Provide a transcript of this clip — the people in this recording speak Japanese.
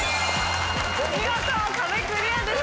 見事壁クリアです。